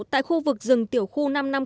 tại khu vực rừng tiểu khu năm trăm năm mươi